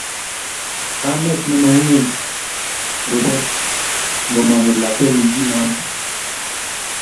Kamet nemoungen rubet ngomanyor lakwenyi kiy neomei